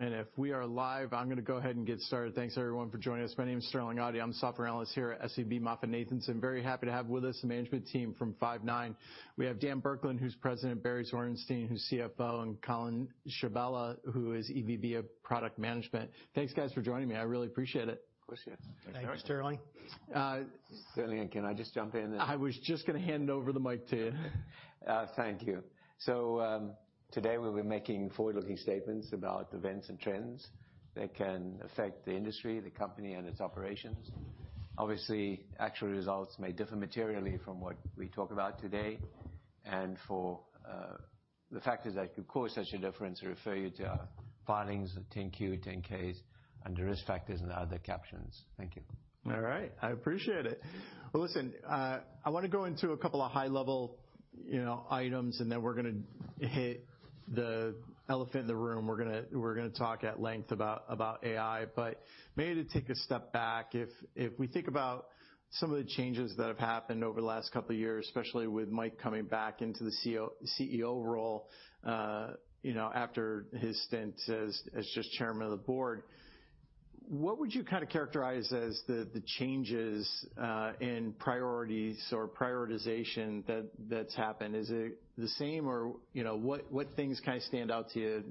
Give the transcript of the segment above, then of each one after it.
If we are live, I'm gonna go ahead and get started. Thanks everyone for joining us. My name is Sterling Auty. I'm a software analyst here at SVB MoffettNathanson. Very happy to have with us the management team from Five9. We have Dan Burkland, who's President, Barry Zwarenstein, who's CFO, and Callan Schebella, who is EVP, Product Management. Thanks guys for joining me. I really appreciate it. Of course, yes. Thanks, Sterling. Sterling, can I just jump in? I was just gonna hand over the mic to you. Thank you. Today we'll be making forward-looking statements about events and trends that can affect the industry, the company and its operations. Obviously, actual results may differ materially from what we talk about today. For the factors that could cause such a difference, I refer you to our filings of 10-Q, 10-Ks under risk factors and other captions. Thank you. All right. I appreciate it. Well, listen, I wanna go into a couple of high level, you know, items, then we're gonna hit the elephant in the room. We're gonna talk at length about AI. Maybe to take a step back, if we think about some of the changes that have happened over the last couple of years, especially with Mike coming back into the CEO role, you know, after his stint as just chairman of the board. What would you kind of characterize as the changes in priorities or prioritization that's happened? Is it the same or, you know, what things kind of stand out to you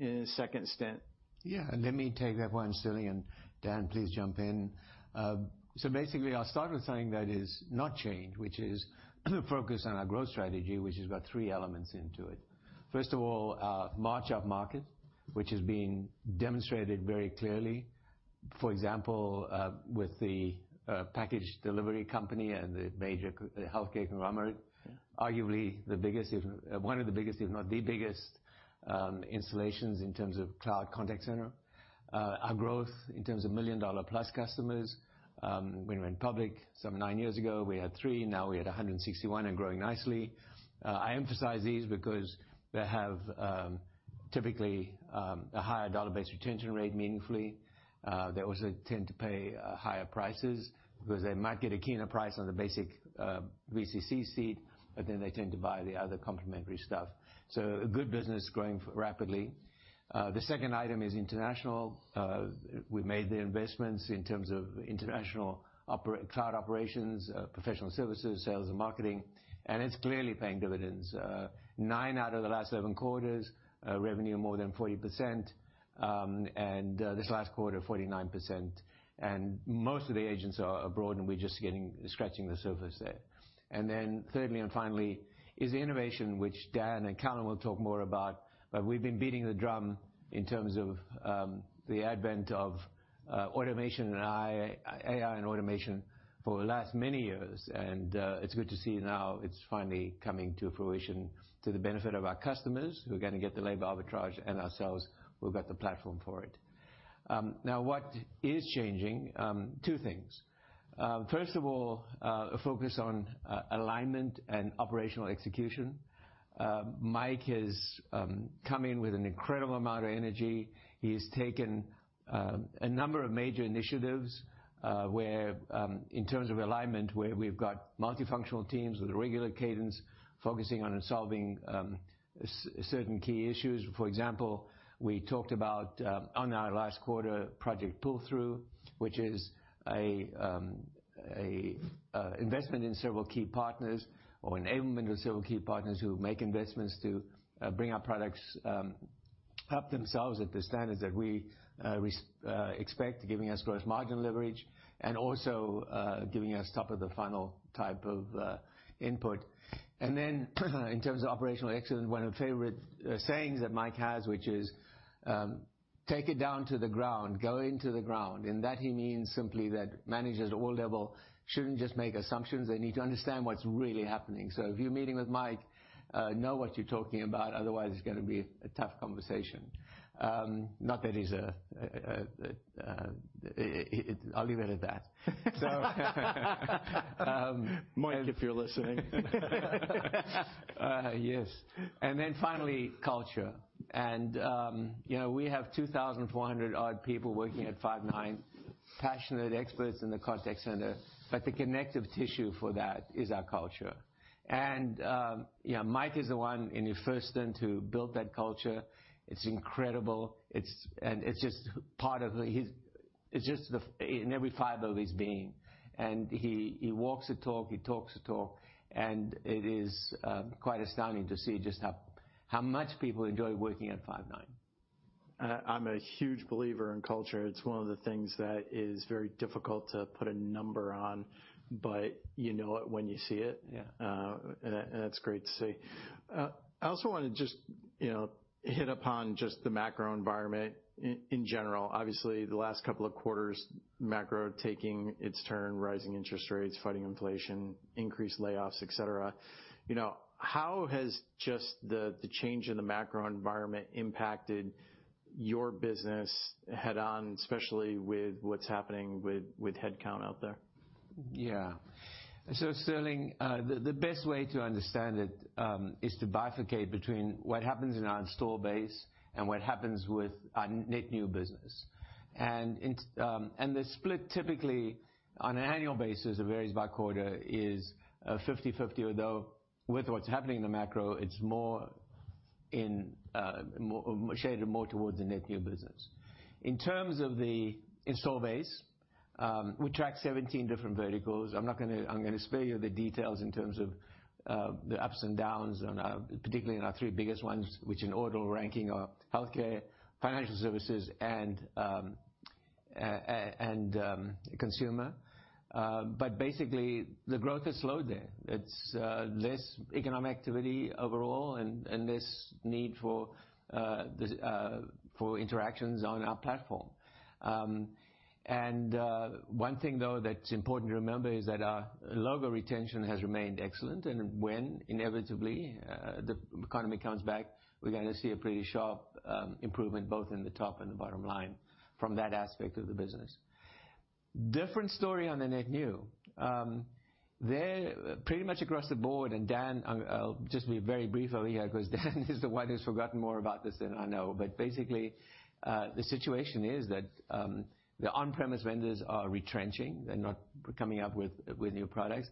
in his second stint? Yeah, let me take that one, Sterling, and Dan, please jump in. Basically, I'll start with something that is not changed, which is the focus on our growth strategy, which has got three elements into it. First of all, march up market, which has been demonstrated very clearly. For example, with the package delivery company and the major healthcare conglomerate, arguably the biggest, one of the biggest, if not the biggest, installations in terms of cloud contact center. Our growth in terms of $1 million-plus customers, when we went public some nine years ago, we had three, now we had 161 and growing nicely. I emphasize these because they have typically a higher dollar-based retention rate meaningfully. They also tend to pay higher prices because they might get a keener price on the basic VCC seat, they tend to buy the other complementary stuff. A good business growing rapidly. The second item is international. We made the investments in terms of international cloud operations, professional services, sales and marketing, it's clearly paying dividends. 9 out of the last 11 quarters, revenue more than 40%, this last quarter, 49%. Most of the agents are abroad, and we're just scratching the surface there. Thirdly and finally is innovation, which Dan and Callan will talk more about. We've been beating the drum in terms of the advent of automation and AI and automation for the last many years. It's good to see now it's finally coming to fruition to the benefit of our customers who are gonna get the labor arbitrage and ourselves, we've got the platform for it. Now what is changing, two things. First of all, a focus on alignment and operational execution. Mike has come in with an incredible amount of energy. He has taken a number of major initiatives, where in terms of alignment, where we've got multifunctional teams with regular cadence focusing on and solving certain key issues. For example, we talked about on our last quarter Project Pull-Through, which is a investment in several key partners or enablement of several key partners who make investments to bring our products up themselves at the standards that we expect, giving us gross margin leverage and also giving us top of the funnel type of input. In terms of operational excellence, one of the favorite sayings that Mike has, which is, "Take it down to the ground, go into the ground." In that he means simply that managers at all level shouldn't just make assumptions. They need to understand what's really happening. If you're meeting with Mike, know what you're talking about, otherwise it's gonna be a tough conversation. Not that he's a... I'll leave it at that. Mike, if you're listening. Yes. Finally, culture. You know, we have 2,400 odd people working at Five9, passionate experts in the contact center, but the connective tissue for that is our culture. You know, Mike is the one in his first stint to build that culture. It's incredible. It's just the, in every fiber of his being. He walks the talk, he talks the talk, and it is quite astounding to see just how much people enjoy working at Five9. I'm a huge believer in culture. It's one of the things that is very difficult to put a number on, but you know it when you see it. Yeah. That's great to see. I also wanna just, you know, hit upon just the macro environment in general. Obviously, the last couple of quarters, macro taking its turn, rising interest rates, fighting inflation, increased layoffs, et cetera. You know, how has just the change in the macro environment impacted your business head on, especially with what's happening with headcount out there? Sterling, the best way to understand it is to bifurcate between what happens in our install base and what happens with our net new business. In, and the split typically on an annual basis, it varies by quarter, is 50/50, although with what's happening in the macro, it's more in shaded more towards the net new business. In terms of the install base, we track 17 different verticals. I'm gonna spare you the details in terms of the ups and downs on particularly in our three biggest ones, which in order ranking are healthcare, financial services, and, um, consumer. But basically, the growth has slowed there. It's less economic activity overall and less need for interactions on our platform. One thing though that's important to remember is that our logo retention has remained excellent, and when inevitably, the economy comes back, we're gonna see a pretty sharp improvement both in the top and the bottom line from that aspect of the business. Different story on the net new. There pretty much across the board, Dan, I'll just be very brief over here because Dan is the one who's forgotten more about this than I know. Basically, the situation is that the on-premise vendors are retrenching. They're not coming up with new products.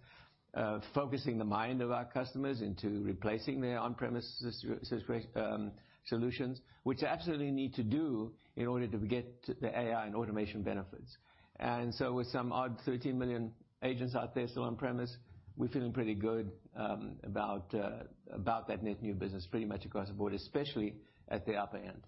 Focusing the mind of our customers into replacing their on-premise solutions, which absolutely need to do in order to get the AI and automation benefits. With some odd 13 million agents out there still on premise, we're feeling pretty good about that net new business pretty much across the board, especially at the upper end.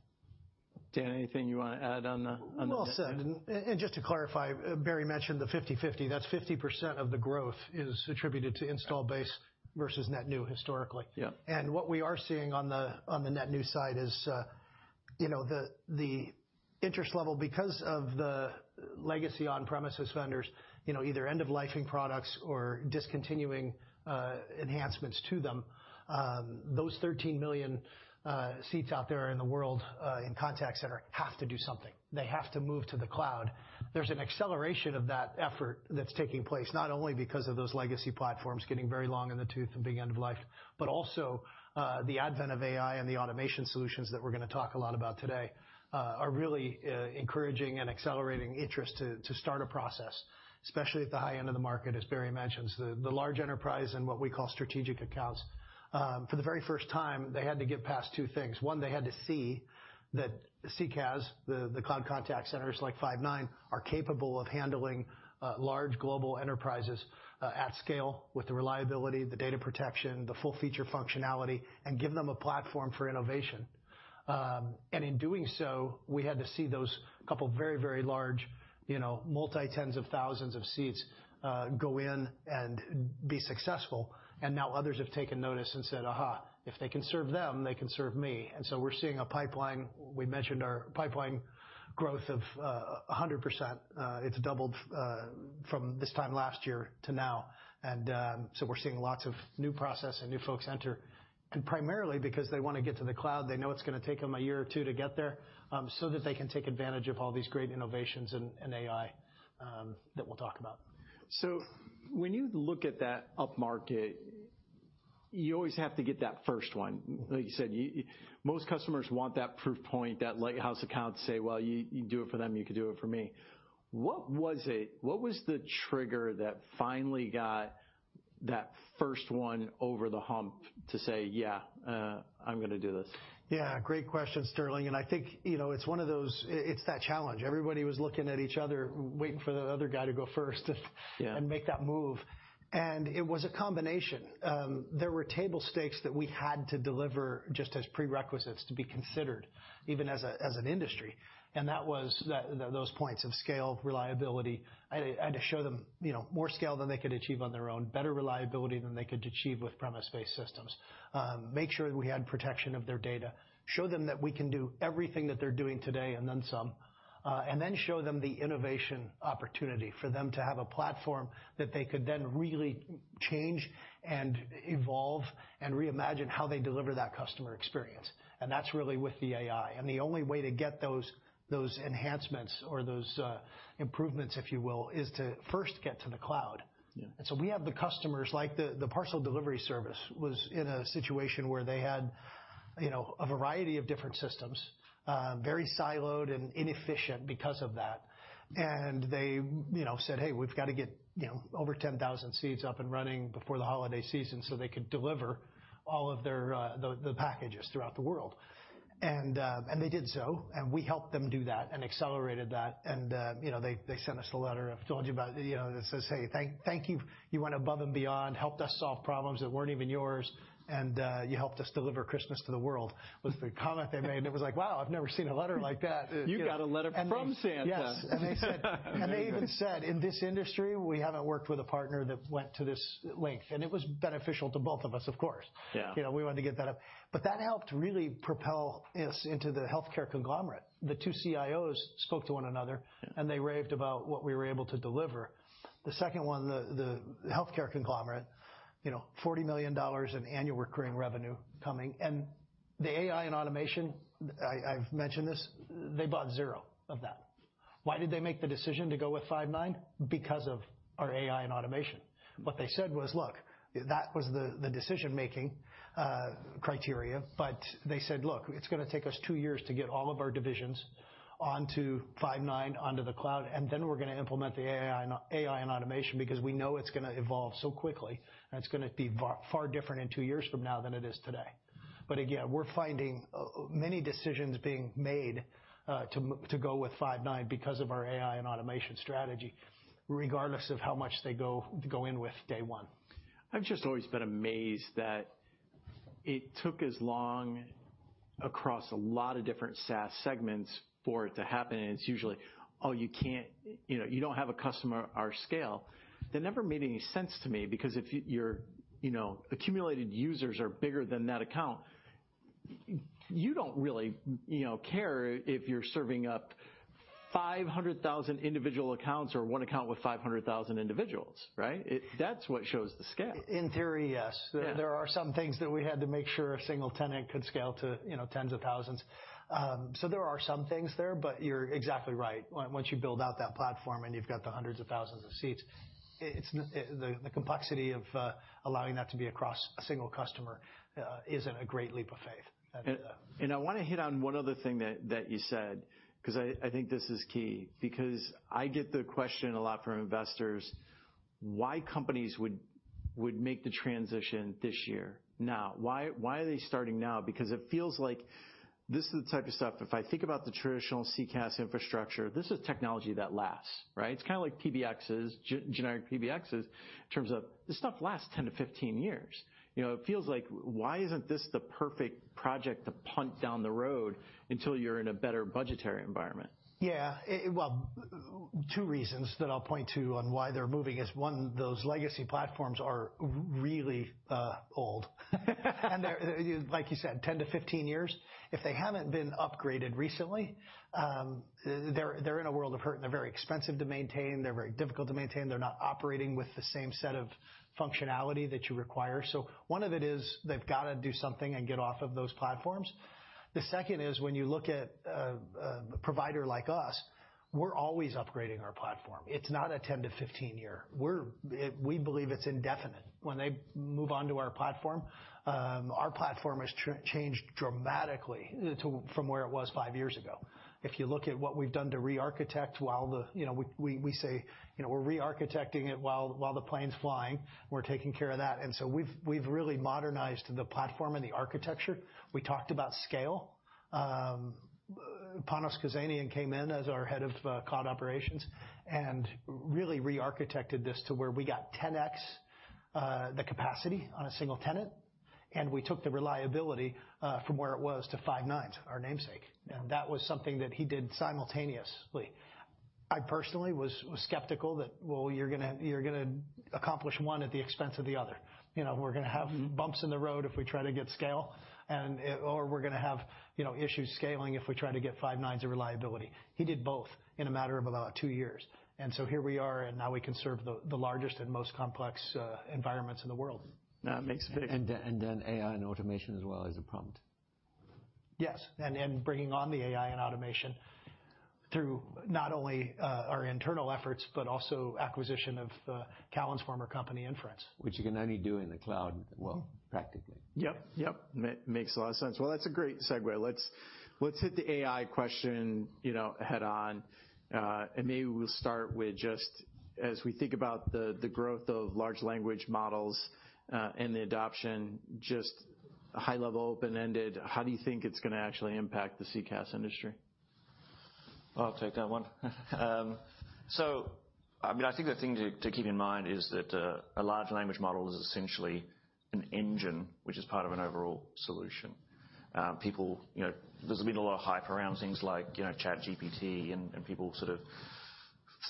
Dan, anything you wanna add on the? Well said. Just to clarify, Barry mentioned the 50/50. That's 50% of the growth is attributed to install base versus net new historically. Yeah. What we are seeing on the, on the net new side is, you know, the interest level because of the legacy on-premises vendors, you know, either end of life-ing products or discontinuing enhancements to them, those 13 million seats out there in the world, in contact center have to do something. They have to move to the cloud. There's an acceleration of that effort that's taking place, not only because of those legacy platforms getting very long in the tooth and being end of life, but also, the advent of AI and the automation solutions that we're gonna talk a lot about today, are really encouraging and accelerating interest to start a process, especially at the high end of the market, as Barry mentions. The large enterprise and what we call strategic accounts, for the very first time, they had to get past 2 things. One, they had to see that CCaaS, the cloud contact centers like Five9, are capable of handling large global enterprises at scale with the reliability, the data protection, the full feature functionality, and give them a platform for innovation. In doing so, we had to see those couple very large, you know, multi tens of thousands of seats go in and be successful. Now others have taken notice and said, "Aha, if they can serve them, they can serve me." We're seeing a pipeline. We mentioned our pipeline growth of 100%. It's doubled from this time last year to now. We're seeing lots of new process and new folks enter, and primarily because they wanna get to the cloud. They know it's gonna take them a year or two to get there that they can take advantage of all these great innovations and AI that we'll talk about. When you look at that upmarket, you always have to get that first one. Like you said, most customers want that proof point, that lighthouse account to say, "Well, you can do it for them, you can do it for me." What was it? What was the trigger that finally got that first one over the hump to say, "Yeah, I'm gonna do this? Yeah, great question, Sterling. I think, you know, it's that challenge. Everybody was looking at each other, waiting for the other guy to go first. Yeah. Make that move. It was a combination. There were table stakes that we had to deliver just as prerequisites to be considered even as an industry. That was that, those points of scale, reliability. I had to show them, you know, more scale than they could achieve on their own, better reliability than they could achieve with premise-based systems. Make sure we had protection of their data, show them that we can do everything that they're doing today and then some. Then show them the innovation opportunity for them to have a platform that they could then really change and evolve and reimagine how they deliver that customer experience. That's really with the AI. The only way to get those enhancements or those improvements, if you will, is to first get to the cloud. Yeah. We have the customers, like the parcel delivery service was in a situation where they had, you know, a variety of different systems, very siloed and inefficient because of that. They, you know, said, "Hey, we've got to get, you know, over 10,000 seats up and running before the holiday season," so they could deliver all of their packages throughout the world. They did so, and we helped them do that and accelerated that. You know, they sent us a letter I've told you about, you know, that says, "Hey, thank you. You went above and beyond, helped us solve problems that weren't even yours, and you helped us deliver Christmas to the world," was the comment they made. It was like, wow, I've never seen a letter like that. You got a letter from Santa. Yes. They said, and they even said, "In this industry, we haven't worked with a partner that went to this length." It was beneficial to both of us, of course. Yeah. You know, we wanted to get that up. That helped really propel us into the healthcare conglomerate. The two CIOs spoke to one another, and they raved about what we were able to deliver. The second one, the healthcare conglomerate, you know, $40 million in annual recurring revenue coming. The AI and automation, I've mentioned this, they bought 0 of that. Why did they make the decision to go with Five9? Because of our AI and automation. What they said was, "Look," that was the decision-making criteria. They said, "Look, it's gonna take us two years to get all of our divisions onto Five9, onto the cloud, and then we're gonna implement the AI and AI and automation, because we know it's gonna evolve so quickly, and it's gonna be far, far different in two years from now than it is today." Again, we're finding many decisions being made to go with Five9 because of our AI and automation strategy, regardless of how much they go in with day one. I've just always been amazed that it took as long across a lot of different SaaS segments for it to happen. It's usually, "Oh, you can't... You know, you don't have a customer our scale." That never made any sense to me, because if your, you know, accumulated users are bigger than that account, you don't really, you know, care if you're serving up 500,000 individual accounts or one account with 500,000 individuals, right? It... That's what shows the scale. In theory, yes. Yeah. There are some things that we had to make sure a single tenant could scale to, you know, tens of thousands. So there are some things there, but you're exactly right. Once you build out that platform and you've got the hundreds of thousands of seats, the complexity of allowing that to be across a single customer isn't a great leap of faith. I wanna hit on one other thing that you said, 'cause I think this is key. I get the question a lot from investors why companies would make the transition this year, now. Why are they starting now? It feels like this is the type of stuff, if I think about the traditional CCaaS infrastructure, this is technology that lasts, right? It's kind of like PBXs, generic PBXs in terms of this stuff lasts 10-15 years. You know, it feels like why isn't this the perfect project to punt down the road until you're in a better budgetary environment? Well, two reasons that I'll point to on why they're moving is, one, those legacy platforms are really old. They're, like you said, 10 to 15 years. If they haven't been upgraded recently, they're in a world of hurt, and they're very expensive to maintain. They're very difficult to maintain. They're not operating with the same set of functionality that you require. One of it is they've got to do something and get off of those platforms. The second is, when you look at a provider like us, we're always upgrading our platform. It's not a 10 to 15 year. We believe it's indefinite. When they move on to our platform, our platform has changed dramatically from where it was 5 years ago. If you look at what we've done to re-architect while the... You know, we say, you know, we're re-architecting it while the plane's flying. We're taking care of that. So we've really modernized the platform and the architecture. We talked about scale. Panos Kozanian came in as our head of cloud operations and really re-architected this to where we got 10x the capacity on a single tenant, and we took the reliability from where it was to Five9, our namesake. That was something that he did simultaneously. I personally was skeptical that, well, you're gonna accomplish one at the expense of the other. You know, we're gonna have bumps in the road if we try to get scale or we're gonna have, you know, issues scaling if we try to get Five9's reliability. He did both in a matter of about two years. Here we are, and now we can serve the largest and most complex environments in the world. No. AI and automation as well is a prompt. Yes. Bringing on the AI and automation through not only our internal efforts, but also acquisition of Callan's former company, Inference. Which you can only do in the cloud, well, practically. Yep. Makes a lot of sense. Well, that's a great segue. Let's hit the AI question, you know, head on. Maybe we'll start with just as we think about the growth of large language models and the adoption, just high level, open-ended, how do you think it's gonna actually impact the CCaaS industry? I'll take that one. I mean, I think the thing to keep in mind is that a large language model is essentially an engine which is part of an overall solution. People, you know... There's been a lot of hype around things like, you know, ChatGPT, and people sort of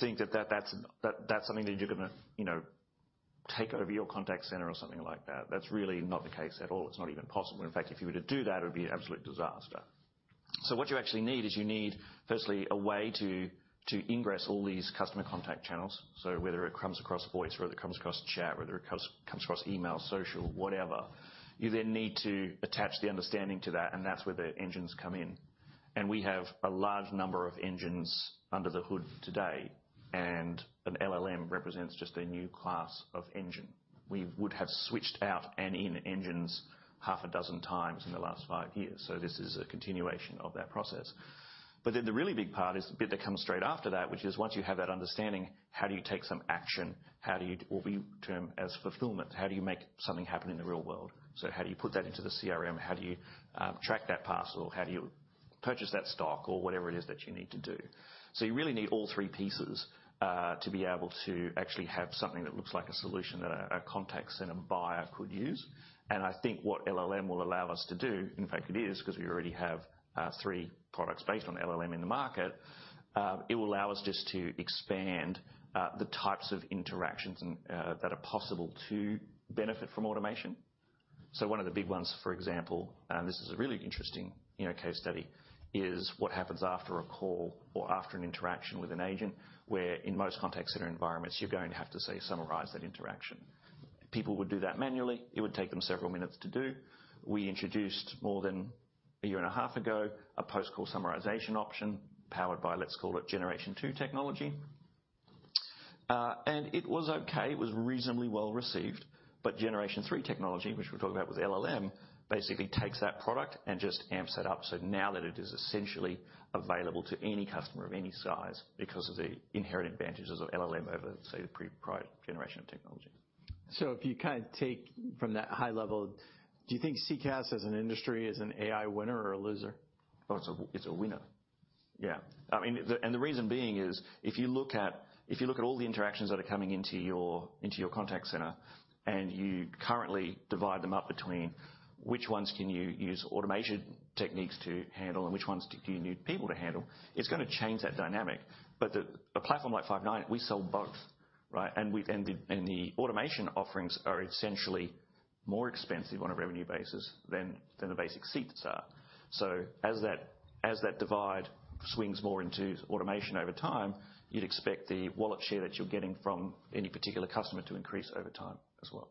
think that that that's something that you're gonna, you know, take over your contact center or something like that. That's really not the case at all. It's not even possible. In fact, if you were to do that, it would be an absolute disaster. What you actually need is you need, firstly, a way to ingress all these customer contact channels. Whether it comes across voice, whether it comes across chat, whether it comes across email, social, whatever, you then need to attach the understanding to that, and that's where the engines come in. We have a large number of engines under the hood today, and an LLM represents just a new class of engine. We would have switched out and in engines half a dozen times in the last five years, this is a continuation of that process. The really big part is the bit that comes straight after that, which is once you have that understanding, how do you take some action? How do you, what we term as fulfillment, how do you make something happen in the real world? How do you put that into the CRM? How do you track that parcel? How do you purchase that stock or whatever it is that you need to do? You really need all three pieces to be able to actually have something that looks like a solution that a contact center buyer could use. I think what LLM will allow us to do, in fact, it is, 'cause we already have three products based on LLM in the market, it will allow us just to expand the types of interactions and that are possible to benefit from automation. One of the big ones, for example, and this is a really interesting, you know, case study, is what happens after a call or after an interaction with an agent, where in most contact center environments you're going to have to, say, summarize that interaction. People would do that manually. It would take them several minutes to do. We introduced more than a year and a half ago, a post-call summarization option powered by, let's call it Generation 2 technology. It was okay. It was reasonably well-received. Generation 3 technology, which we're talking about with LLM, basically takes that product and just amps it up. Now that it is essentially available to any customer of any size because of the inherent advantages of LLM over, say, the pre-prior generation of technology. If you kind of take from that high level, do you think CCaaS as an industry is an AI winner or a loser? It's a, it's a winner. Yeah. I mean, the reason being is, if you look at all the interactions that are coming into your, into your contact center, and you currently divide them up between which ones can you use automation techniques to handle and which ones do you need people to handle, it's gonna change that dynamic. A platform like Five9, we sell both, right? The automation offerings are essentially more expensive on a revenue basis than the basic seats are. As that divide swings more into automation over time, you'd expect the wallet share that you're getting from any particular customer to increase over time as well.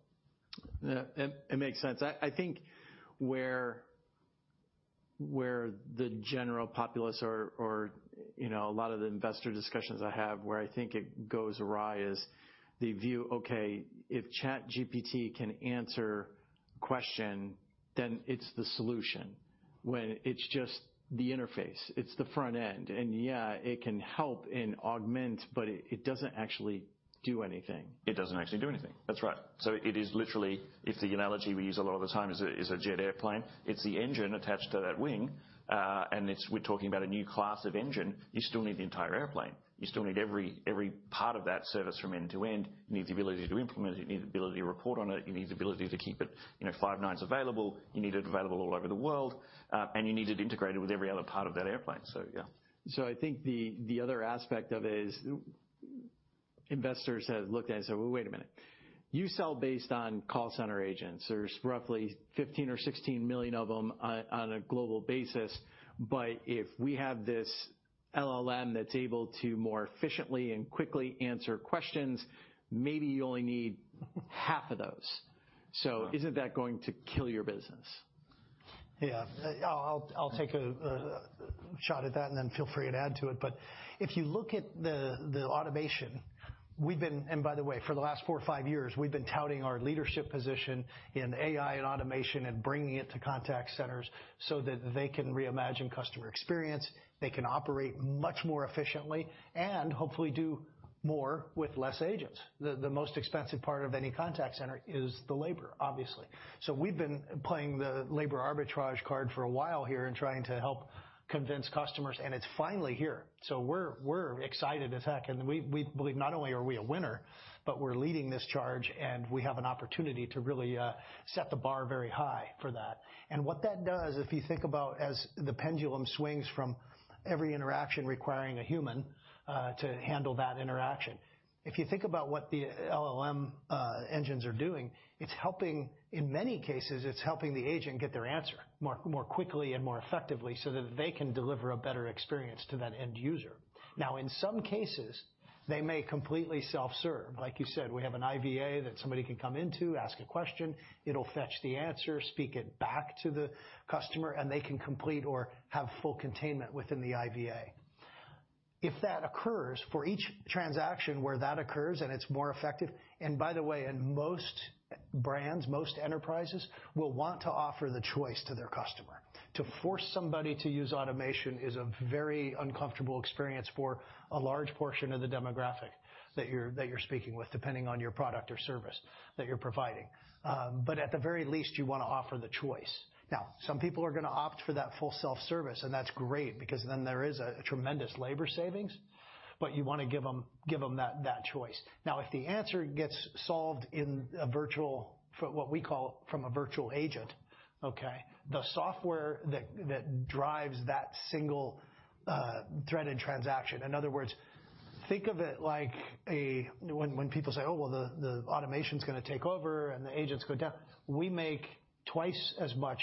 Yeah. It makes sense. I think where the general populace or, you know, a lot of the investor discussions I have where I think it goes awry is the view, okay, if ChatGPT can answer question, then it's the solution when it's just the interface. It's the front end. Yeah, it can help and augment, but it doesn't actually do anything. It doesn't actually do anything. That's right. It is literally, if the analogy we use a lot of the time is a, is a jet airplane, it's the engine attached to that wing, we're talking about a new class of engine. You still need the entire airplane. You still need every part of that service from end to end. You need the ability to implement it. You need the ability to report on it. You need the ability to keep it, you know, Five9s available. You need it available all over the world, you need it integrated with every other part of that airplane. Yeah. I think the other aspect of it is investors have looked at it and said, "Well, wait a minute. You sell based on call center agents. There's roughly 15 or 16 million of them on a global basis. If we have this LLM that's able to more efficiently and quickly answer questions, maybe you only need half of those. Mm-hmm. Isn't that going to kill your business? Yeah. I'll take a shot at that, and then feel free to add to it. If you look at the automation, we've been. By the way, for the last 4 or 5 years, we've been touting our leadership position in AI and automation and bringing it to contact centers so that they can reimagine customer experience, they can operate much more efficiently, and hopefully do more with less agents. The most expensive part of any contact center is the labor, obviously. We've been playing the labor arbitrage card for a while here and trying to help convince customers, and it's finally here. We're excited as heck, and we believe not only are we a winner, but we're leading this charge, and we have an opportunity to really set the bar very high for that. What that does, if you think about as the pendulum swings from every interaction requiring a human to handle that interaction. If you think about what the LLM engines are doing, in many cases, it's helping the agent get their answer more quickly and more effectively so that they can deliver a better experience to that end user. In some cases, they may completely self-serve. Like you said, we have an IVA that somebody can come into, ask a question, it'll fetch the answer, speak it back to the customer, and they can complete or have full containment within the IVA. If that occurs, for each transaction where that occurs, and it's more effective. By the way, in most brands, most enterprises will want to offer the choice to their customer. To force somebody to use automation is a very uncomfortable experience for a large portion of the demographic that you're speaking with, depending on your product or service that you're providing. At the very least, you wanna offer the choice. Some people are gonna opt for that full self-service, and that's great because then there is a tremendous labor savings. You wanna give them that choice. If the answer gets solved in a virtual for what we call from a virtual agent, okay. The software that drives that single thread and transaction. In other words, think of it like a. When people say, "Oh, well, the automation's gonna take over, and the agents go down," we make twice as much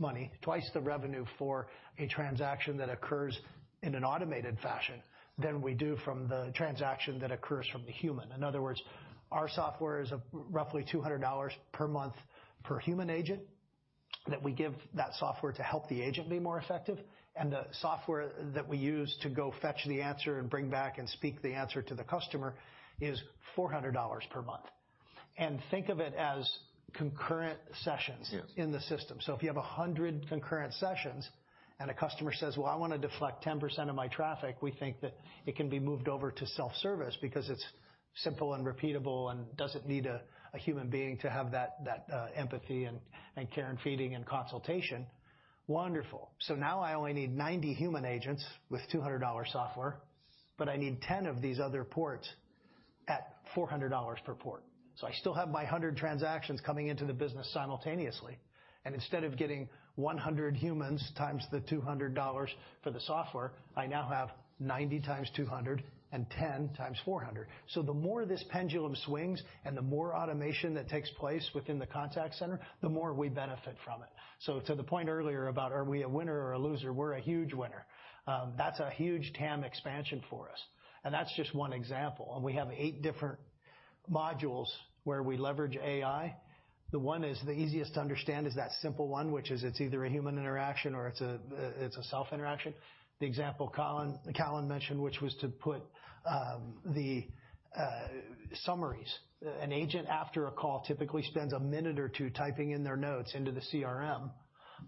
money, twice the revenue for a transaction that occurs in an automated fashion than we do from the transaction that occurs from the human. In other words, our software is of roughly $200 per month per human agent that we give that software to help the agent be more effective. The software that we use to go fetch the answer and bring back and speak the answer to the customer is $400 per month. Think of it as concurrent sessions. Yes... in the system. If you have 100 concurrent sessions and a customer says, "Well, I wanna deflect 10% of my traffic," we think that it can be moved over to self-service because it's simple and repeatable and doesn't need a human being to have that empathy and care and feeding and consultation. Wonderful. Now I only need 90 human agents with $200 software, but I need 10 of these other ports at $400 per port. I still have my 100 transactions coming into the business simultaneously, and instead of getting 100 humans times the $200 for the software, I now have 90 times 200 and 10 times 400. The more this pendulum swings and the more automation that takes place within the contact center, the more we benefit from it. To the point earlier about are we a winner or a loser, we're a huge winner. That's a huge TAM expansion for us, and that's just one example. We have eight different modules where we leverage AI, the one is the easiest to understand is that simple one, which is it's either a human interaction or it's a self-interaction. The example Callan mentioned, which was to put the summaries. An agent after a call typically spends a minute or two typing in their notes into the CRM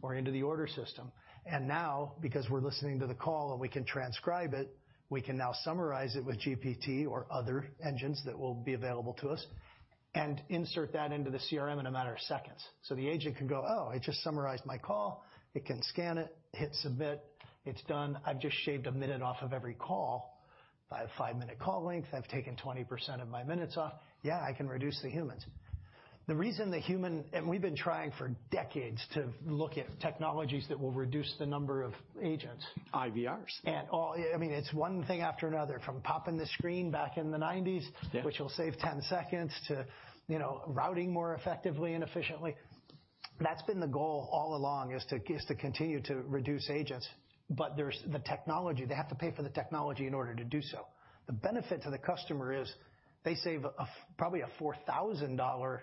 or into the order system. Now, because we're listening to the call and we can transcribe it, we can now summarize it with GPT or other engines that will be available to us and insert that into the CRM in a matter of seconds. The agent can go, "Oh, I just summarized my call." It can scan it, hit Submit, it's done. I've just shaved 1 minute off of every call by a 5-minute call length. I've taken 20% of my minutes off. Yeah, I can reduce the humans. We've been trying for decades to look at technologies that will reduce the number of agents. IVRs. All. I mean, it's one thing after another, from popping the screen back in the nineties. Yeah. which will save 10 seconds to, you know, routing more effectively and efficiently. That's been the goal all along, is to continue to reduce agents. There's the technology. They have to pay for the technology in order to do so. The benefit to the customer is they save probably a $4,000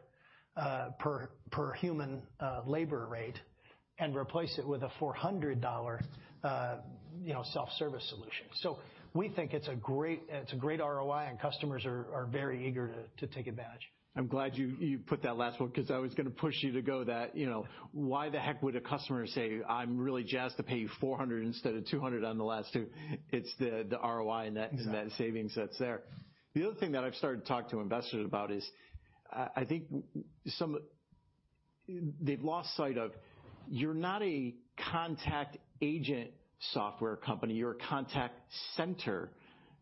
per human labor rate and replace it with a $400, you know, self-service solution. We think it's a great, it's a great ROI, and customers are very eager to take advantage. I'm glad you put that last one, 'cause I was gonna push you to go that, you know, why the heck would a customer say, "I'm really jazzed to pay $400 instead of $200 on the last two." It's the ROI. Exactly. net savings that's there. The other thing that I've started to talk to investors about is I think some. They've lost sight of you're not a contact agent software company, you're a contact center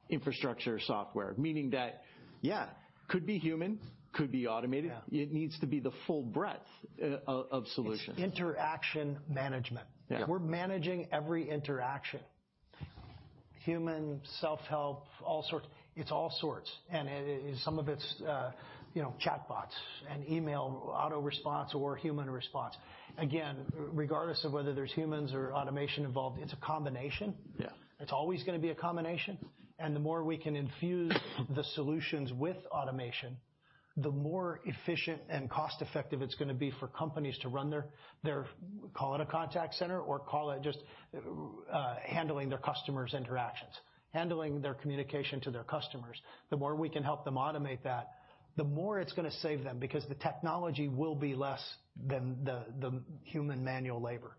infrastructure software. Meaning that... Yeah. could be human, could be automated. Yeah. It needs to be the full breadth of solutions. It's interaction management. Yeah. We're managing every interaction. Human, self-help, all sorts. It's all sorts. Some of it's, you know, chatbots and email autoresponse or human response. Again, regardless of whether there's humans or automation involved, it's a combination. Yeah. It's always gonna be a combination. The more we can infuse the solutions with automation, the more efficient and cost-effective it's gonna be for companies to run their, call it a contact center or call it just handling their customers' interactions, handling their communication to their customers. The more we can help them automate that, the more it's gonna save them, because the technology will be less than the human manual labor.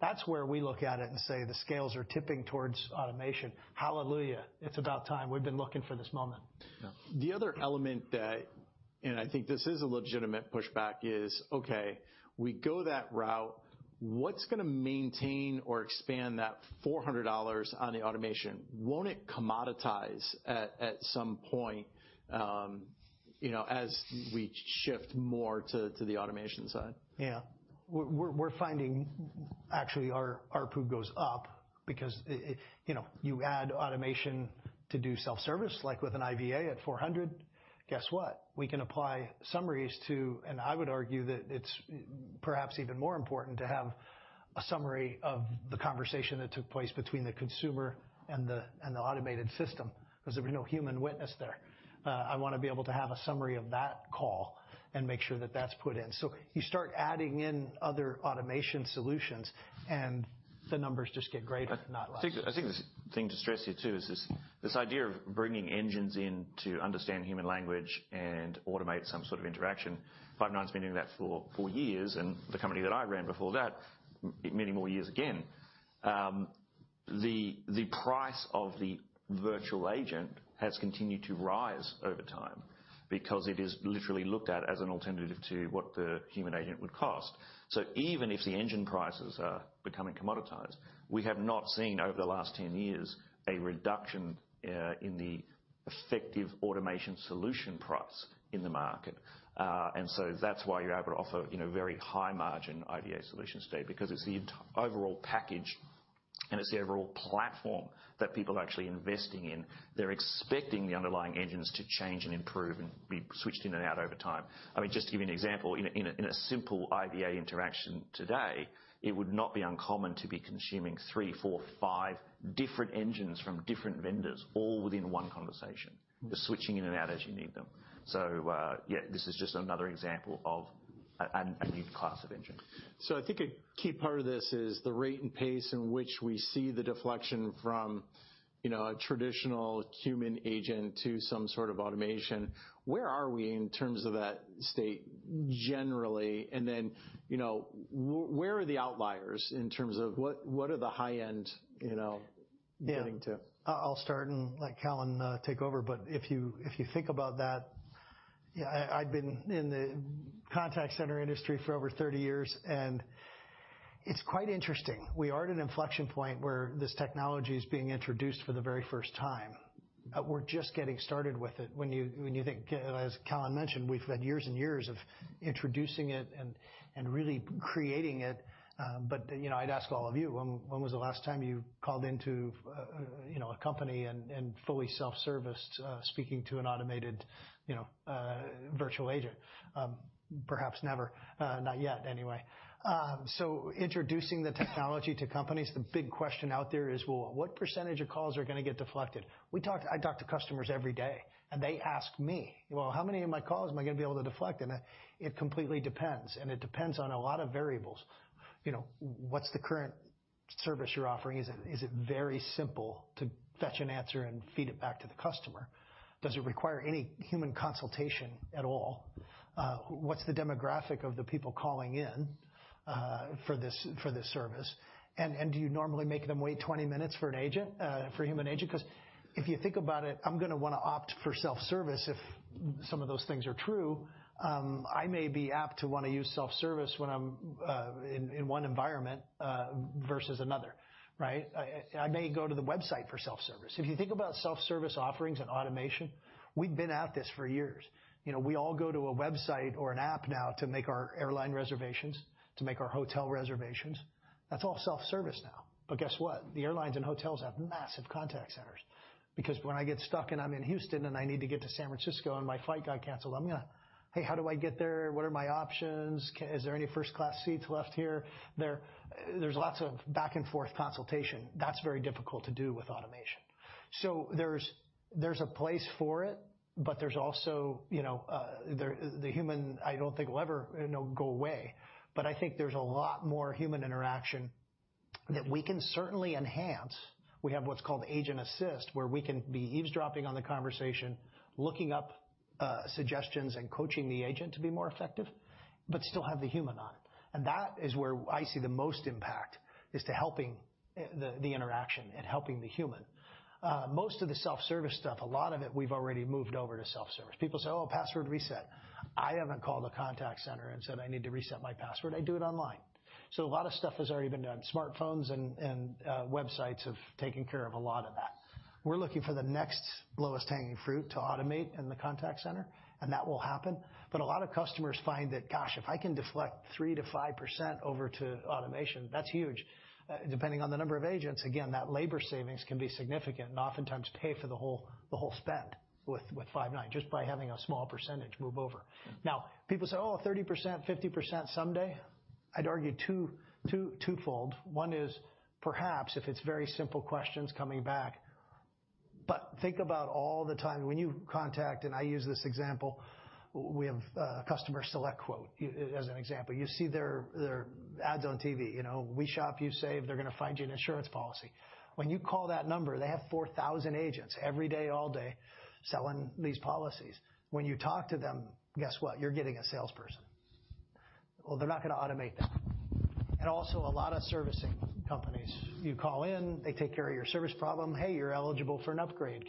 That's where we look at it and say the scales are tipping towards automation. Hallelujah. It's about time. We've been looking for this moment. The other element that, I think this is a legitimate pushback, is, okay, we go that route. What's gonna maintain or expand that $400 on the automation? Won't it commoditize at some point, you know, as we shift more to the automation side? Yeah. We're finding actually our PU goes up because it, you know, you add automation to do self-service, like with an IVA at 400, guess what? We can apply summaries to... I would argue that it's perhaps even more important to have a summary of the conversation that took place between the consumer and the automated system, 'cause there'll be no human witness there. I wanna be able to have a summary of that call and make sure that that's put in. You start adding in other automation solutions and the numbers just get greater, not less. I think the thing to stress here too is this idea of bringing engines in to understand human language and automate some sort of interaction. Five9's been doing that for four years, and the company that I ran before that many more years again. The price of the virtual agent has continued to rise over time because it is literally looked at as an alternative to what the human agent would cost. Even if the engine prices are becoming commoditized, we have not seen over the last 10 years a reduction in the effective automation solution price in the market. That's why you're able to offer, you know, very high margin IVA solutions today, because it's the overall package and it's the overall platform that people are actually investing in. They're expecting the underlying engines to change and improve and be switched in and out over time. I mean, just to give you an example, in a simple IVA interaction today, it would not be uncommon to be consuming three, four, five different engines from different vendors all within one conversation. They're switching in and out as you need them. Yeah, this is just another example of an elite class of engine. I think a key part of this is the rate and pace in which we see the deflection from, you know, a traditional human agent to some sort of automation. Where are we in terms of that state generally? You know, where are the outliers in terms of what are the high end, you know... Yeah. getting to? I'll start and let Callan take over, but if you think about that, yeah, I've been in the contact center industry for over 30 years, and it's quite interesting. We are at an inflection point where this technology is being introduced for the very first time. We're just getting started with it. When you think, as Callan mentioned, we've had years and years of introducing it and really creating it. You know, I'd ask all of you, when was the last time you called into, you know, a company and fully self-serviced, speaking to an automated, you know, virtual agent? Perhaps never. Not yet, anyway. Introducing the technology to companies, the big question out there is, well, what % of calls are gonna get deflected? We talk to... I talk to customers every day, and they ask me, "Well, how many of my calls am I gonna be able to deflect?" It completely depends, and it depends on a lot of variables. You know, what's the current service you're offering? Is it very simple to fetch an answer and feed it back to the customer? Does it require any human consultation at all? What's the demographic of the people calling in for this service? Do you normally make them wait 20 minutes for an agent, for a human agent? 'Cause if you think about it, I'm gonna wanna opt for self-service if some of those things are true. I may be apt to wanna use self-service when I'm in one environment versus another, right? I may go to the website for self-service. If you think about self-service offerings and automation, we've been at this for years. You know, we all go to a website or an app now to make our airline reservations, to make our hotel reservations. That's all self-service now. Guess what? The airlines and hotels have massive contact centers, because when I get stuck and I'm in Houston and I need to get to San Francisco and my flight got canceled, I'm gonna, "Hey, how do I get there? What are my options? Is there any first class seats left here?" There's lots of back and forth consultation. That's very difficult to do with automation. There's a place for it, there's also, you know, the human I don't think will ever, you know, go away. I think there's a lot more human interaction that we can certainly enhance. We have what's called Agent Assist, where we can be eavesdropping on the conversation, looking up suggestions and coaching the agent to be more effective, but still have the human on it. That is where I see the most impact, is to helping the interaction and helping the human. Most of the self-service stuff, a lot of it, we've already moved over to self-service. People say, "Oh, password reset." I haven't called a contact center and said I need to reset my password. I do it online. A lot of stuff has already been done. Smartphones and websites have taken care of a lot of that. We're looking for the next lowest hanging fruit to automate in the contact center, and that will happen. A lot of customers find that, gosh, if I can deflect 3%-5% over to automation, that's huge. Depending on the number of agents, again, that labor savings can be significant and oftentimes pay for the whole spend with Five9, just by having a small percentage move over. People say, "Oh, 30%, 50% someday." I'd argue two-twofold. One is perhaps if it's very simple questions coming back. Think about all the time when you contact, and I use this example, we have customer SelectQuote as an example. You see their ads on TV. You know, we shop, you save, they're gonna find you an insurance policy. When you call that number, they have 4,000 agents every day, all day selling these policies. When you talk to them, guess what? You're getting a salesperson. They're not gonna automate that. Also a lot of servicing companies, you call in, they take care of your service problem, "Hey, you're eligible for an upgrade."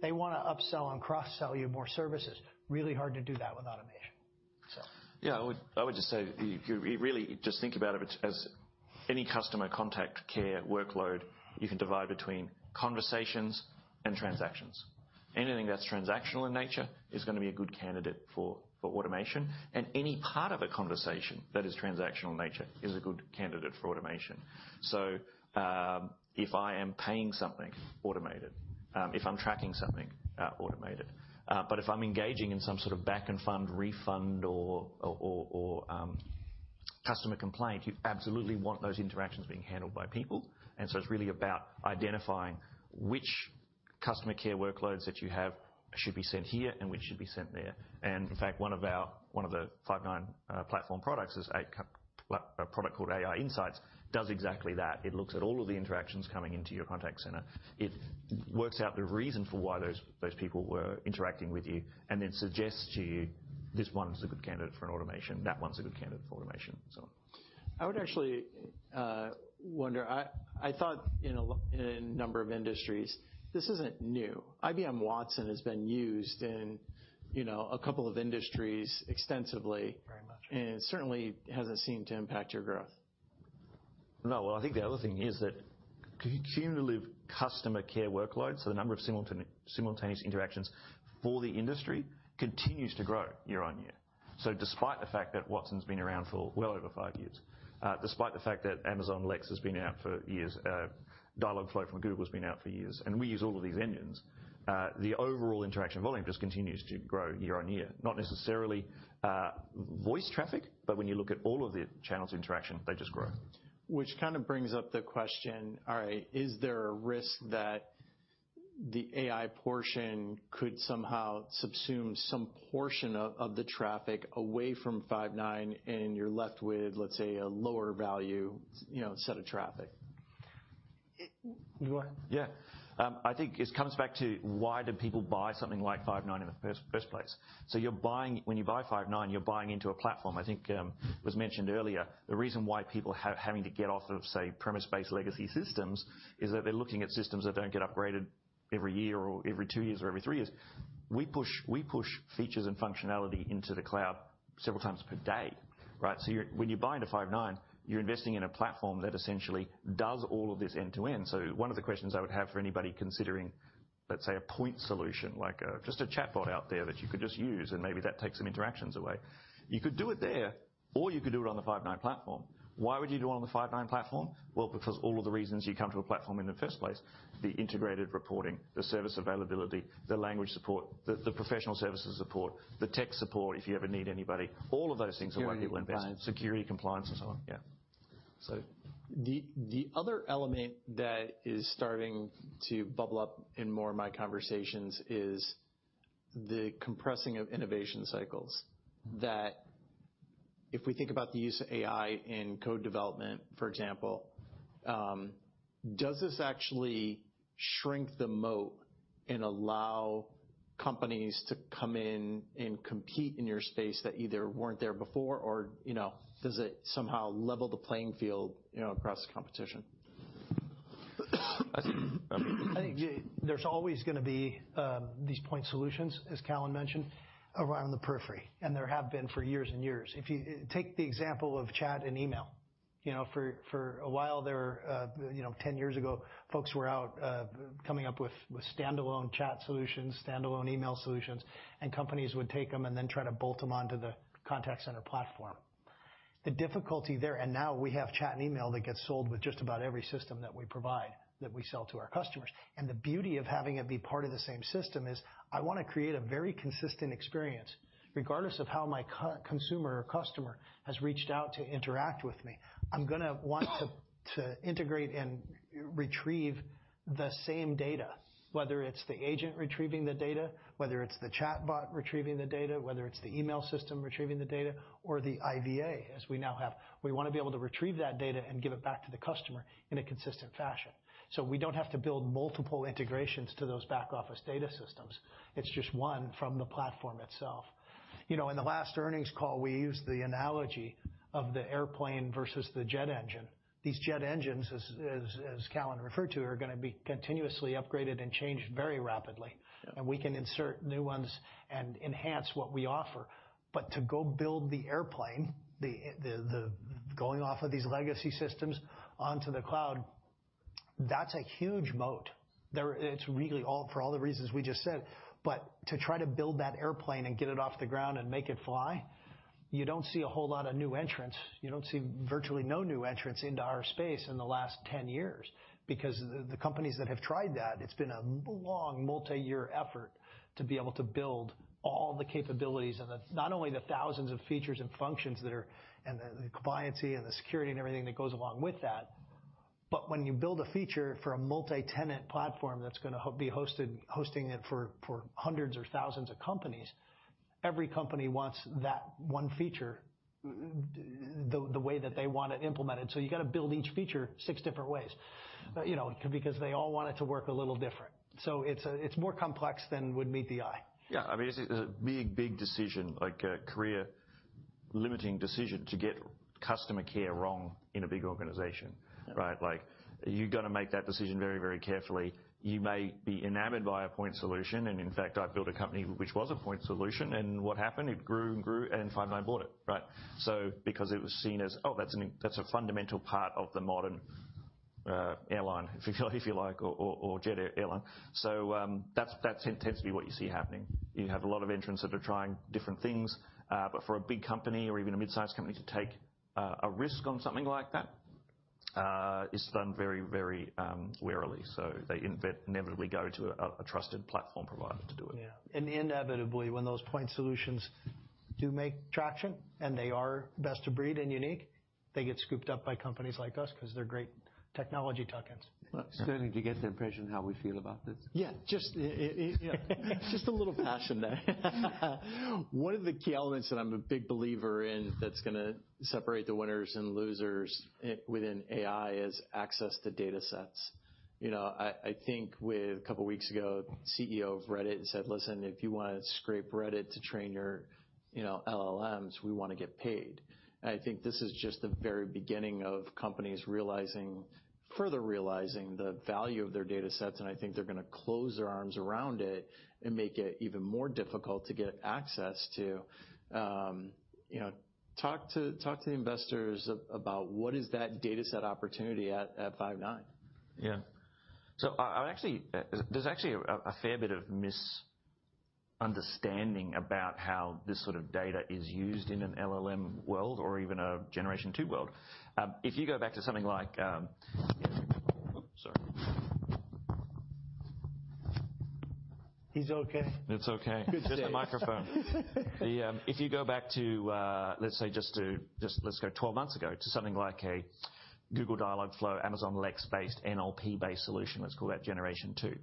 They wanna upsell and cross-sell you more services. Really hard to do that with automation. Yeah. I would just say, you really just think about it as any customer contact care workload, you can divide between conversations and transactions. Anything that's transactional in nature is gonna be a good candidate for automation. Any part of a conversation that is transactional in nature is a good candidate for automation. If I am paying something, automate it. If I'm tracking something, automate it. But if I'm engaging in some sort of back and fund refund or customer complaint, you absolutely want those interactions being handled by people. It's really about identifying which customer care workloads that you have should be sent here and which should be sent there. In fact, one of our... one of the Five9 platform products is a product called AI Insights does exactly that. It looks at all of the interactions coming into your contact center. It works out the reason for why those people were interacting with you and then suggests to you, "This one's a good candidate for an automation. That one's a good candidate for automation. I would actually wonder, I thought in a number of industries, this isn't new. IBM Watson has been used in, you know, a couple of industries extensively. Very much. certainly hasn't seemed to impact your growth. Well, I think the other thing is that cumulative customer care workloads, so the number of simultaneous interactions for the industry continues to grow year-on-year. Despite the fact that Watson's been around for well over five years, despite the fact that Amazon Lex has been out for years, Dialogflow from Google's been out for years, and we use all of these engines, the overall interaction volume just continues to grow year-on-year. Not necessarily voice traffic, but when you look at all of the channels interaction, they just grow. Which kind of brings up the question, all right, is there a risk that the AI portion could somehow subsume some portion of the traffic away from Five9, and you're left with, let's say, a lower value, you know, set of traffic? Go on. Yeah. I think it comes back to why do people buy something like Five9 in the first place. When you buy Five9, you're buying into a platform. I think, it was mentioned earlier, the reason why people having to get off of, say, premise-based legacy systems is that they're looking at systems that don't get upgraded every year or every two years or every three years. We push features and functionality into the cloud several times per day, right? When you buy into Five9, you're investing in a platform that essentially does all of this end to end. One of the questions I would have for anybody considering, let's say, a point solution, like, just a chatbot out there that you could just use and maybe that takes some interactions away. You could do it there, or you could do it on the Five9 platform. Why would you do it on the Five9 platform? Well, because all of the reasons you come to a platform in the first place, the integrated reporting, the service availability, the language support, the professional services support, the tech support, if you ever need anybody. All of those things are why people invest. Security compliance. Security compliance and so on. Yeah. The other element that is starting to bubble up in more of my conversations is. The compressing of innovation cycles, that if we think about the use of AI in code development, for example, does this actually shrink the moat and allow companies to come in and compete in your space that either weren't there before or, you know, does it somehow level the playing field, you know, across the competition? I think there's always gonna be these point solutions, as Callan mentioned, around the periphery, and there have been for years and years. If you take the example of chat and email, you know, for a while there, you know, 10 years ago, folks were out coming up with standalone chat solutions, standalone email solutions, and companies would take them and then try to bolt them onto the contact center platform. The difficulty there, now we have chat and email that gets sold with just about every system that we provide, that we sell to our customers. The beauty of having it be part of the same system is I wanna create a very consistent experience. Regardless of how my consumer or customer has reached out to interact with me, I'm gonna want to integrate and retrieve the same data, whether it's the agent retrieving the data, whether it's the chatbot retrieving the data, whether it's the email system retrieving the data or the IVA, as we now have. We wanna be able to retrieve that data and give it back to the customer in a consistent fashion, so we don't have to build multiple integrations to those back office data systems. It's just one from the platform itself. You know, in the last earnings call, we used the analogy of the airplane versus the jet engine. These jet engines as Callan referred to, are gonna be continuously upgraded and changed very rapidly. Yeah. We can insert new ones and enhance what we offer. To go build the airplane, going off of these legacy systems onto the cloud, that's a huge moat. It's really all, for all the reasons we just said. To try to build that airplane and get it off the ground and make it fly, you don't see a whole lot of new entrants. You don't see virtually no new entrants into our space in the last 10 years because the companies that have tried that, it's been a long multi-year effort to be able to build all the capabilities and not only the thousands of features and functions that are... The compliancy and the security and everything that goes along with that, but when you build a feature for a multi-tenant platform that's gonna be hosted, hosting it for hundreds or thousands of companies, every company wants that one feature the way that they want it implemented. You got to build each feature six different ways. You know, because they all want it to work a little different. It's more complex than would meet the eye. Yeah, I mean, it's a big, big decision, like a career-limiting decision to get customer care wrong in a big organization, right? Like, you got to make that decision very, very carefully. You may be enamored by a point solution, and in fact, I built a company which was a point solution, and what happened? It grew and grew and Five9 bought it, right? Because it was seen as, oh, that's a fundamental part of the modern airline, if you like, or jet airline. That's, that's intensely what you see happening. You have a lot of entrants that are trying different things. But for a big company or even a mid-sized company to take a risk on something like that, is done very, very warily. They inevitably go to a trusted platform provider to do it. Yeah. Inevitably, when those point solutions do make traction and they are best of breed and unique, they get scooped up by companies like us 'cause they're great technology tuck-ins. Well- Starting to get the impression how we feel about this. Yeah, just a little passion there. One of the key elements that I'm a big believer in that's gonna separate the winners and losers within AI is access to data sets. You know, I think A couple weeks ago, CEO of Reddit said, "Listen, if you wanna scrape Reddit to train your, you know, LLMs, we wanna get paid." I think this is just the very beginning of companies realizing, further realizing the value of their data sets, and I think they're gonna close their arms around it and make it even more difficult to get access to. You know, talk to the investors about what is that data set opportunity at Five9. Yeah. I actually. There's actually a fair bit of misunderstanding about how this sort of data is used in an LLM world or even a generation 2 world. If you go back to something like, oops, sorry. He's okay. It's okay. Just there. It's a microphone. If you go back to, let's say just let's go 12 months ago to something like a Google Dialogflow, Amazon Lex-based, NLP-based solution, let's call that generation two.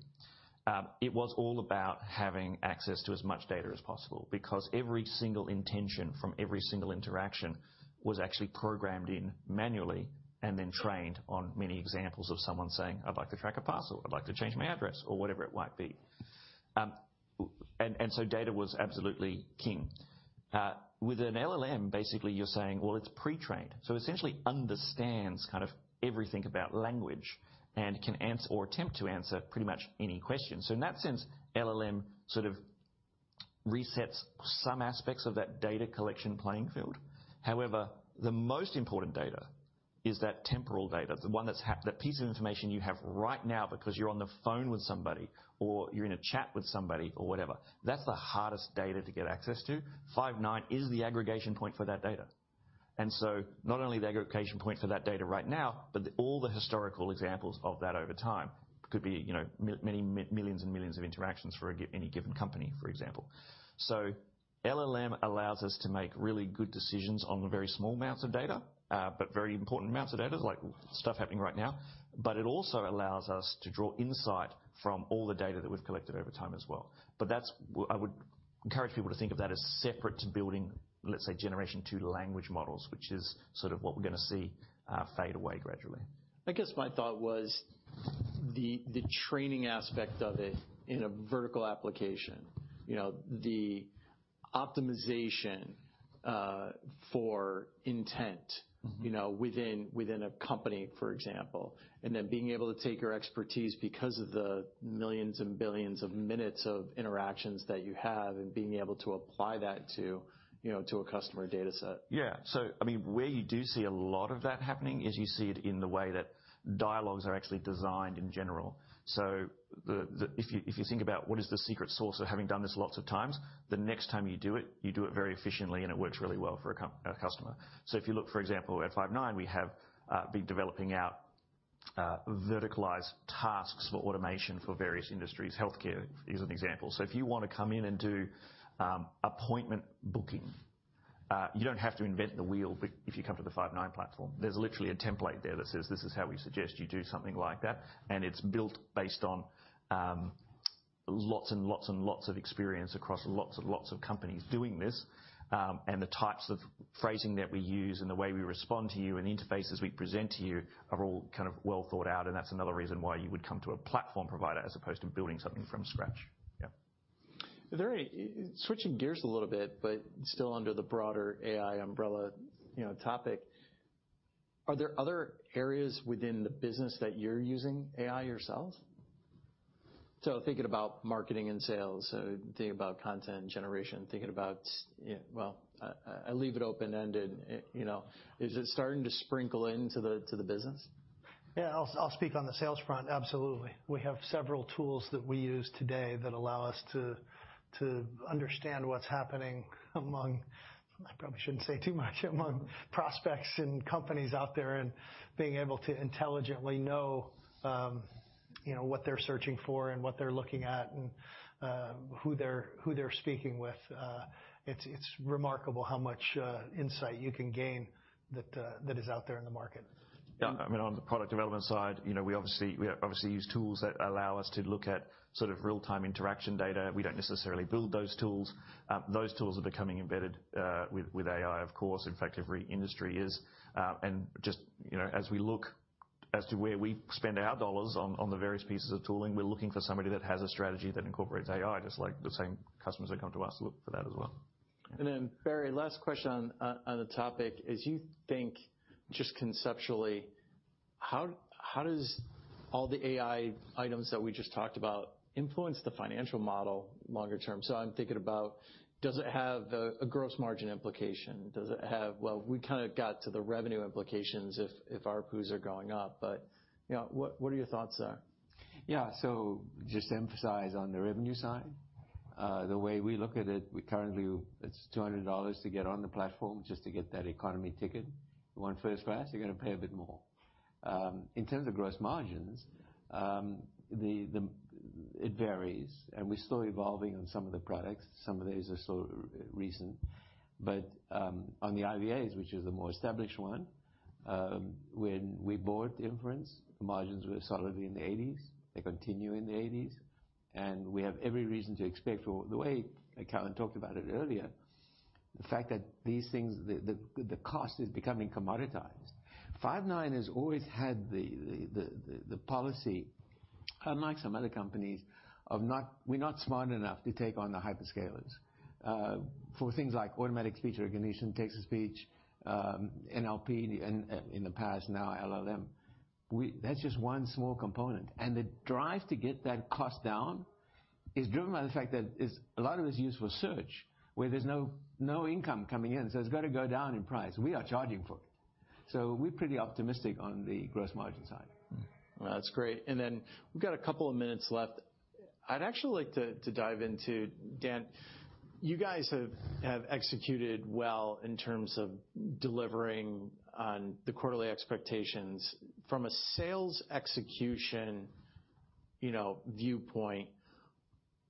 It was all about having access to as much data as possible because every single intention from every single interaction was actually programmed in manually and then trained on many examples of someone saying, "I'd like to track a parcel. I'd like to change my address," or whatever it might be. Data was absolutely king. With an LLM, basically you're saying, well, it's pre-trained, so essentially understands kind of everything about language and can or attempt to answer pretty much any question. In that sense, LLM sort of resets some aspects of that data collection playing field. However, the most important data is that temporal data, the one that's the piece of information you have right now because you're on the phone with somebody or you're in a chat with somebody or whatever. That's the hardest data to get access to. Five9 is the aggregation point for that data. Not only the aggregation point for that data right now, but all the historical examples of that over time. Could be, you know, many millions and millions of interactions for any given company, for example. LLM allows us to make really good decisions on very small amounts of data, but very important amounts of data, like stuff happening right now. It also allows us to draw insight from all the data that we've collected over time as well. That's I would encourage people to think of that as separate to building, let's say, generation 2 language models, which is sort of what we're gonna see, fade away gradually. I guess my thought was the training aspect of it in a vertical application. You know, the optimization, for intent-. Mm-hmm. You know, within a company, for example, and then being able to take your expertise because of the millions and billions of minutes of interactions that you have, and being able to apply that to, you know, to a customer data set. Yeah. I mean, where you do see a lot of that happening is you see it in the way that dialogues are actually designed in general. If you think about what is the secret sauce of having done this lots of times, the next time you do it, you do it very efficiently and it works really well for a customer. If you look, for example, at Five9, we have been developing out verticalized tasks for automation for various industries. Healthcare is an example. If you wanna come in and do appointment booking, you don't have to invent the wheel if you come to the Five9 platform. There's literally a template there that says, "This is how we suggest you do something like that." It's built based on lots and lots and lots of experience across lots and lots of companies doing this. The types of phrasing that we use and the way we respond to you and the interfaces we present to you are all kind of well thought out. That's another reason why you would come to a platform provider as opposed to building something from scratch. Yeah. Switching gears a little bit, still under the broader AI umbrella, you know, topic, are there other areas within the business that you're using AI yourselves? Thinking about marketing and sales, so thinking about content generation, thinking about, you know. Well, I leave it open-ended, you know. Is it starting to sprinkle into the business? Yeah. I'll speak on the sales front. Absolutely. We have several tools that we use today that allow us to understand what's happening I probably shouldn't say too much, among prospects and companies out there and being able to intelligently know, you know, what they're searching for and what they're looking at and who they're speaking with. It's remarkable how much insight you can gain that is out there in the market. Yeah. I mean, on the product development side, you know, we obviously use tools that allow us to look at sort of real-time interaction data. We don't necessarily build those tools. Those tools are becoming embedded with AI, of course. In fact, every industry is. Just, you know, as we look as to where we spend our dollars on the various pieces of tooling, we're looking for somebody that has a strategy that incorporates AI, just like the same customers that come to us look for that as well. Barry, last question on the topic. As you think, just conceptually, how does all the AI items that we just talked about influence the financial model longer term? I'm thinking about, does it have a gross margin implication? We kinda got to the revenue implications if ARPUs are going up, but, you know, what are your thoughts there? Yeah. Just to emphasize on the revenue side, the way we look at it's $200 to get on the platform, just to get that economy ticket. You want first class, you're gonna pay a bit more. In terms of gross margins, it varies, and we're still evolving on some of the products. Some of these are still recent. On the IVAs, which is the more established one, when we bought Inference, margins were solidly in the eighties. They continue in the eighties. We have every reason to expect or the way that Callan talked about it earlier, the fact that these things, the cost is becoming commoditized. Five9 has always had the policy, unlike some other companies, we're not smart enough to take on the hyperscalers. for things like automatic speech recognition, text-to-speech, NLP in the past, now LLM, that's just one small component. The drive to get that cost down is driven by the fact that a lot of it's used for search, where there's no income coming in, so it's gotta go down in price. We are charging for it. We're pretty optimistic on the gross margin side. Well, that's great. Then we've got 2 minutes left. I'd actually like to dive into, Dan, you guys have executed well in terms of delivering on the quarterly expectations. From a sales execution, you know, viewpoint,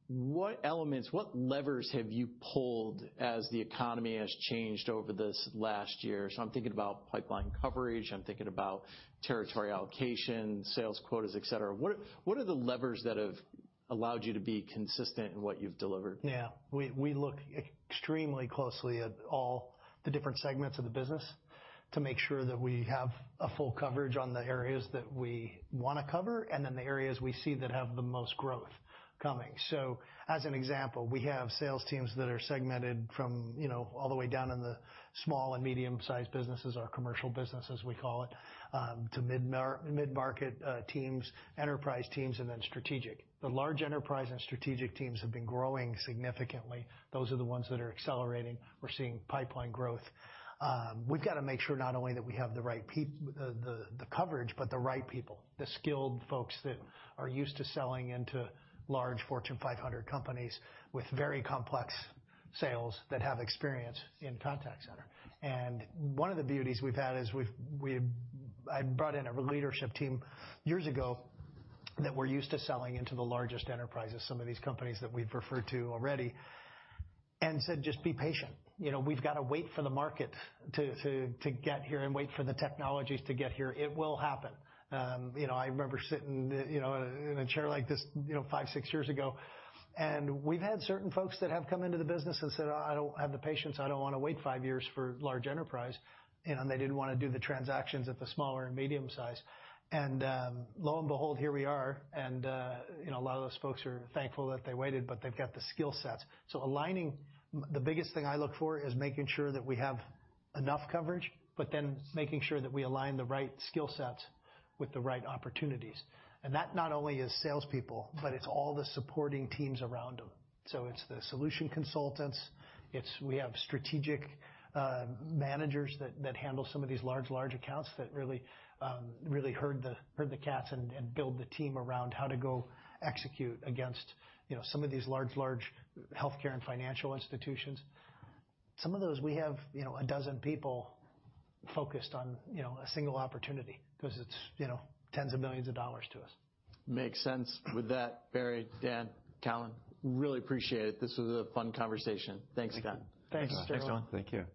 what elements, what levers have you pulled as the economy has changed over this last year? I'm thinking about pipeline coverage, I'm thinking about territory allocation, sales quotas, et cetera. What are the levers that have allowed you to be consistent in what you've delivered? Yeah. We look extremely closely at all the different segments of the business to make sure that we have a full coverage on the areas that we wanna cover, and then the areas we see that have the most growth coming. As an example, we have sales teams that are segmented from, you know, all the way down in the small and medium-sized businesses or commercial business, as we call it, to mid-market teams, enterprise teams, and then strategic. The large enterprise and strategic teams have been growing significantly. Those are the ones that are accelerating. We're seeing pipeline growth. We've gotta make sure not only that we have the right coverage, but the right people, the skilled folks that are used to selling into large Fortune 500 companies with very complex sales that have experience in contact center. One of the beauties we've had is we've I brought in a leadership team years ago that were used to selling into the largest enterprises, some of these companies that we've referred to already, and said, "Just be patient. You know, we've gotta wait for the market to get here and wait for the technologies to get here. It will happen." You know, I remember sitting, you know, in a chair like this, you know, 5, 6 years ago, and we've had certain folks that have come into the business and said, "I don't have the patience. I don't wanna wait 5 years for large enterprise." You know, they didn't wanna do the transactions at the smaller and medium size. Lo and behold, here we are. You know, a lot of those folks are thankful that they waited, but they've got the skill sets. Aligning, the biggest thing I look for is making sure that we have enough coverage, but then making sure that we align the right skill sets with the right opportunities. That not only is salespeople, but it's all the supporting teams around them. It's the solution consultants. We have strategic managers that handle some of these large accounts that really herd the cats and build the team around how to go execute against, you know, some of these large healthcare and financial institutions. Some of those, we have, you know, 12 people focused on, you know, a single opportunity 'cause it's, you know, tens of millions of dollars to us. Makes sense. With that, Barry, Dan, Callan, really appreciate it. This was a fun conversation. Thanks again. Thank you. Thanks, Gerald. Thanks, everyone. Thank you.